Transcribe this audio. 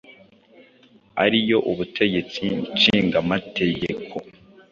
ari yo Ubutegetsi Nshingategeko,